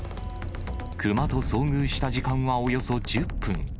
クマと遭遇した時間は、およそ１０分。